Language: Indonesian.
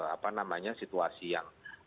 apa namanya situasi yang